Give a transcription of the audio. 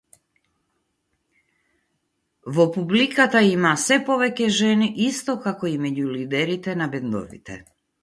Во публиката има сѐ повеќе жени, исто како и меѓу лидерите на бендовите.